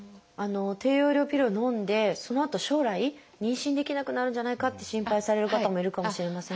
低用量ピルをのんでそのあと将来妊娠できなくなるんじゃないかって心配される方もいるかもしれませんが。